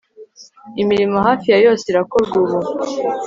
Imirimo hafi ya yose irakorwa ubu